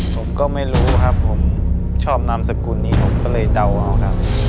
ผมก็ไม่รู้ครับผมชอบนามสกุลนี้ผมก็เลยเดาเอาครับ